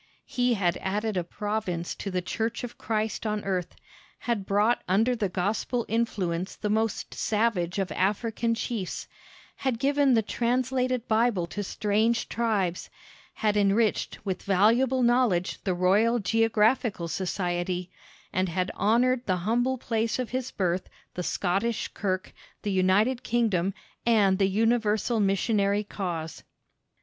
He had added a province to the church of Christ on earth; had brought under the gospel influence the most savage of African chiefs; had given the translated Bible to strange tribes; had enriched with valuable knowledge the Royal Geographical Society; and had honored the humble place of his birth, the Scottish kirk, the United Kingdom, and the universal missionary cause.